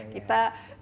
kita di ruang ini